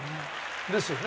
ですよね？